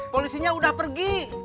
polisinya udah pergi